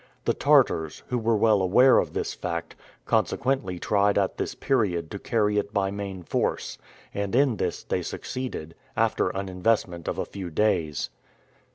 The Tartars, who were well aware of this fact, consequently tried at this period to carry it by main force, and in this they succeeded, after an investment of a few days.